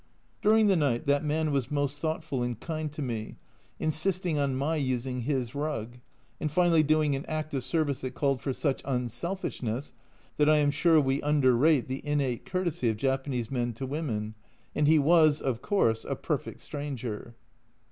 During the night that man was most thoughtful and kind to me, insisting on my using his rug, and finally doing an act of service that called for such unselfishness that I am sure we underrate the innate courtesy of Japanese men to women ; and he was, of course, a perfect stranger.